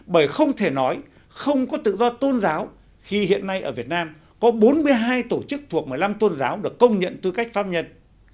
bởi không thể nói không có tự do tôn giáo khi hiện nay ở việt nam có bốn mươi hai tổ chức thuộc một mươi năm tôn giáo được công nhận tư cách pháp nhân